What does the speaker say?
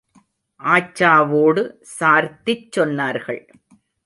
ஆச்சாவோடு சார்த்திச் சொன்னார்கள்.